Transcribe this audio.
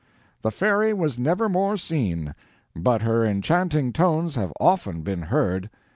"The Fairy was never more seen; but her enchanting tones have often been heard.